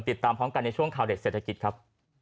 ติดตามพร้อมกันในช่วงข่าวเด็ดเศรษฐกิจครับ